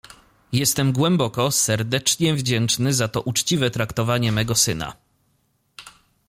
"Jestem głęboko, serdecznie wdzięczny za to uczciwe traktowanie mego syna."